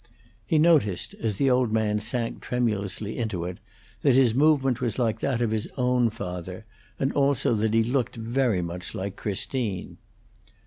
He noticed, as the old man sank tremulously into it, that his movement was like that of his own father, and also that he looked very much like Christine.